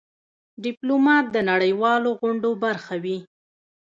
ډيپلومات د نړېوالو غونډو برخه وي.